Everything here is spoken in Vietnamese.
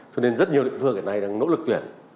cho nên rất nhiều định vương ở đây đang nỗ lực tuyển